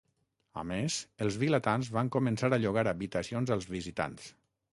A més, els vilatans van començar a llogar habitacions als visitants.